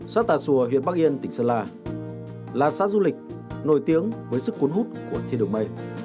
xã tà xùa huyện bắc yên tỉnh sơn la là xã du lịch nổi tiếng với sức cuốn hút của thiên đường mây